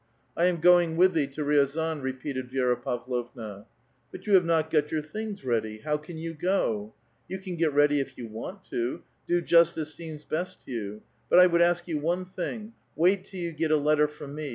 " I am going with thee to Riazan," repeated Vi6ra Pav lovna. " But you have not got your things ready ; how can you go ? You can get ready if you want to; do just as seems best to you. But I would ask you one thing : wait till you get a letter from me.